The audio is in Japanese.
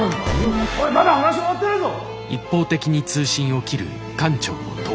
おいまだ話は終わってないぞ！